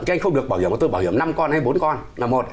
chứ anh không được bảo hiểm của tôi bảo hiểm năm con hay bốn con là một